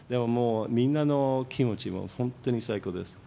みんなの気持ちも本当に最高です。